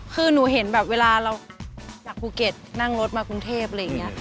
คือหนูเห็นแบบเวลาเราจากภูเก็ตนั่งรถมากรุงเทพอะไรอย่างนี้